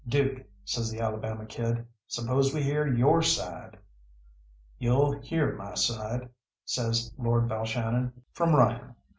"Dook," says the Alabama Kid, "suppose we hear your side?" "You'll hear my side," says Lord Balshannon, "from Ryan.